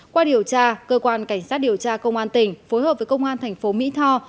qua điều tra cơ quan cảnh sát điều tra công an tỉnh phối hợp với công an thành phố mỹ tho